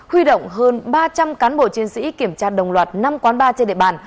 huy động hơn ba trăm linh cán bộ chiến sĩ kiểm tra đồng loạt năm quán bar trên địa bàn